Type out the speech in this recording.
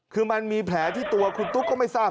คือมันมีแผลที่ตัวคุณตุ๊กก็ไม่ทราบ